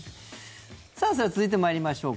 さあ、続いて参りましょうか。